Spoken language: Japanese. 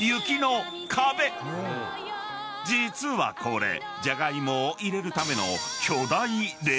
［実はこれじゃがいもを入れるための］